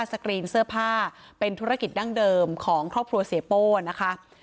สกรีนเสื้อผ้าเป็นธุรกิจดั้งเดิมของครอบครัวเสียโป้นะคะ